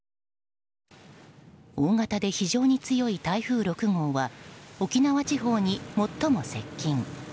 大型で非常に強い台風６号は沖縄地方に最も接近。